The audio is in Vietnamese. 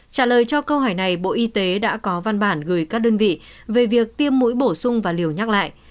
trả lời cho câu hỏi này bộ y tế đã có văn bản gửi các đơn vị về việc tiêm mũi bổ sung và liều nhắc lại